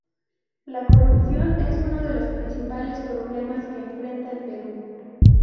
La corrupción es uno de los principales problemas que enfrenta el Perú.